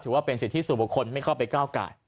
ว่าเป็นสิทธิส่วนบุคคลไม่เข้าไปก้าวกาย